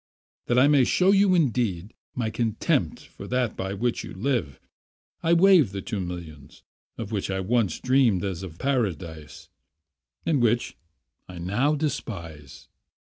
"That I may show you in deed my contempt for that by which you live, I waive the two millions of which I once dreamed as of paradise, and which I now despise.